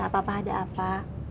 gak papa ada apa